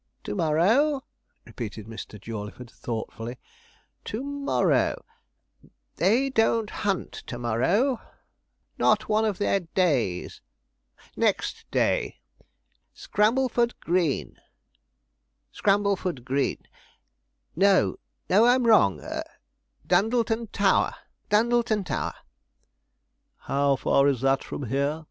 'To morrow,' repeated Mr. Jawleyford, thoughtfully, 'to morrow they don't hunt to morrow not one of their days next day. Scrambleford Green Scrambleford Green no, no, I'm wrong Dundleton Tower Dundleton Tower.' 'How far is that from here?'